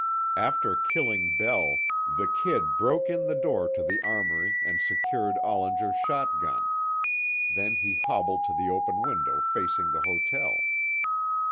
After killing Bell, the "Kid" broke in the door to the armory and secured Ollinger's shot gun. Then he hobbled to the open window facing the hotel.